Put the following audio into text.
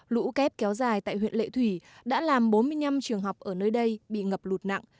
lũ kép kéo dài tại huyện lệ thủy đã làm bốn mươi năm trường học ở nơi đây bị ngập lụt nặng